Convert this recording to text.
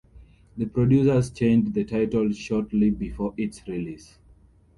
The producers changed the title shortly before its release.